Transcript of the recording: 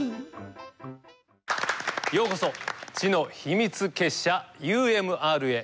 ようこそ知の秘密結社ＵＭＲへ。